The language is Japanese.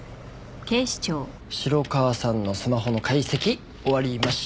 城川さんのスマホの解析終わりました！